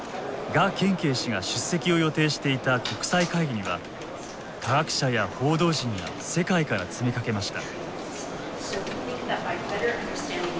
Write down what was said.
賀建奎氏が出席を予定していた国際会議には科学者や報道陣が世界から詰めかけました。